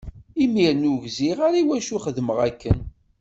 Imiren ur gziɣ ara i wacu i xeddmeɣ akken.